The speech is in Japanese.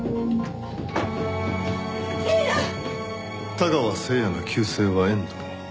太川誠也の旧姓は遠藤。